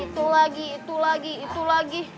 itu lagi itu lagi itu lagi